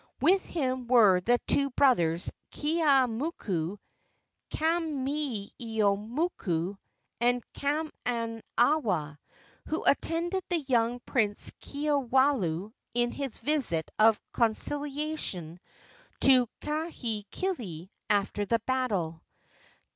With him were the two brothers of Keeaumoku, Kameeiamoku and Kamanawa, who attended the young Prince Kiwalao in his visit of conciliation to Kahekili after the battle.